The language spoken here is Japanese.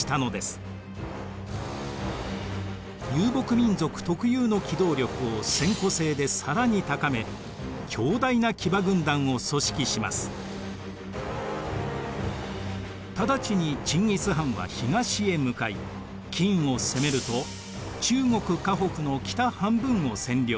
遊牧民族特有の機動力を千戸制で更に高め直ちにチンギス・ハンは東へ向かい金を攻めると中国・華北の北半分を占領。